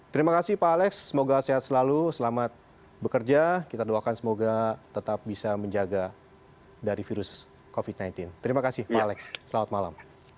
terima kasih pak alex semoga sehat selalu selamat bekerja kita doakan semoga tetap bisa menjaga dari virus covid sembilan belas terima kasih pak alex selamat malam